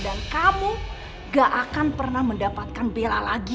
dan kamu gak akan pernah mendapatkan bella lagi